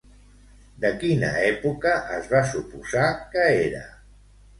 De quina època es va suposar que era?